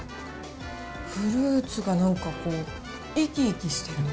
フルーツがなんかこう、生き生きしてる。